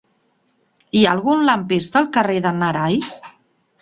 Hi ha algun lampista al carrer de n'Arai?